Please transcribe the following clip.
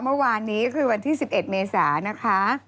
เมื่อวานนี้คือวันที่๑๑เมษานะคะ